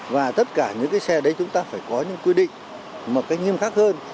và tất cả những cái xe đấy chúng ta phải có những quy định một cách nghiêm khắc hơn